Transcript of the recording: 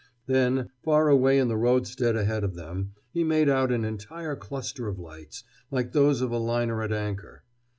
Then, far away in the roadstead ahead of them, he made out an entire cluster of lights, like those of a liner at anchor.